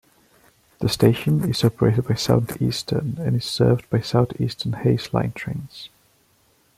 The station is operated by Southeastern and is served by Southeastern Hayes line trains.